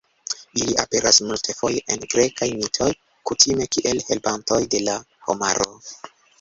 Ili aperas multfoje en grekaj mitoj, kutime kiel helpantoj de la homaro.